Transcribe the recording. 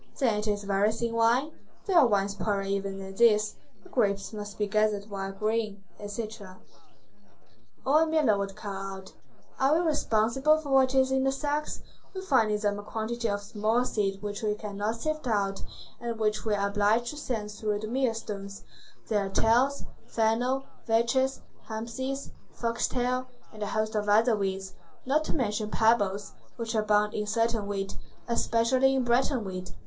"Then it is very thin wine?" "There are wines poorer even than these. The grapes must be gathered while green." Etc. Or a miller would call out:— "Are we responsible for what is in the sacks? We find in them a quantity of small seed which we cannot sift out, and which we are obliged to send through the mill stones; there are tares, fennel, vetches, hempseed, fox tail, and a host of other weeds, not to mention pebbles, which abound in certain wheat, especially in Breton wheat.